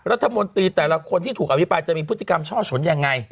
รัฐมนตรีแต่ละคนที่ถูกอภิปรายจะมีพฤติกรรมช่อฉนยังไง